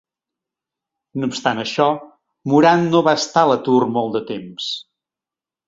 No obstant això, Moran no va estar a l'atur molt de temps.